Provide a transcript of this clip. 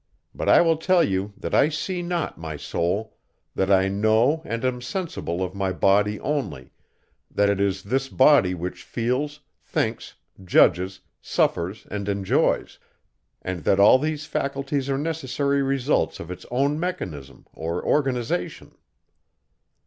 But I will tell you, that I see not my soul, that I know and am sensible of my body only, that it is this body which feels, thinks, judges, suffers, and enjoys; and that all these faculties are necessary results of its own mechanism, or organization.